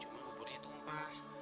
cuma buburnya tumpah